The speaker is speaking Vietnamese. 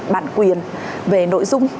bản quyền về nội dung